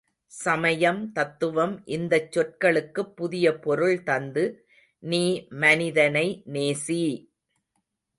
சமயம் தத்துவம் இந்தச் சொற்களுக்குப் புதிய பொருள் தந்து நீ மனிதனை நேசி!